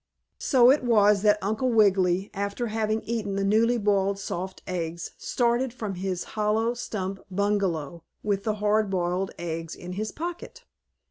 So it was that Uncle Wiggily, after having eaten the newly boiled soft eggs, started from his hollow stump bungalow with the hard boiled eggs in his pocket.